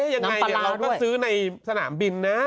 ยังไงเราก็ซื้อในสนามบินนะ